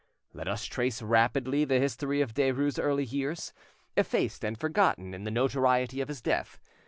Let us trace rapidly the history of Derues' early years, effaced and forgotten in the notoriety of his death.